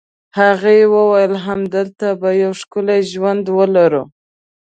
هغې وویل: همالته به یو ښکلی ژوند ولرو.